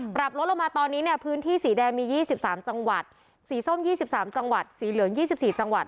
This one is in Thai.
ปรับลดลงมาตอนนี้เนี่ยพื้นที่สีแดงมียี่สิบสามจังหวัดสีส้มยี่สิบสามจังหวัดสีเหลืองยี่สิบสี่จังหวัด